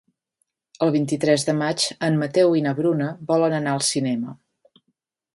El vint-i-tres de maig en Mateu i na Bruna volen anar al cinema.